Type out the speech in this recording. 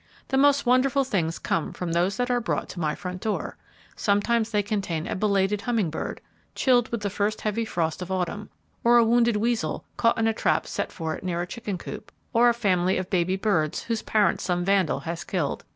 The most wonderful things come from those that are brought to my front door. Sometimes they contain a belated hummingbird, chilled with the first heavy frost of autumn, or a wounded weasel caught in a trap set for it near a chicken coop, or a family of baby birds whose parents some vandal has killed.